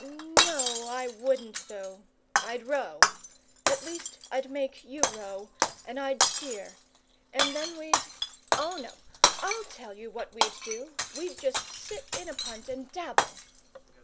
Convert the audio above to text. No, I wouldn't though; I'd row at least I'd make you row, and I'd steer. And then we'd Oh, no! I'll tell you what we'd do! We'd just sit in a punt and dabble!"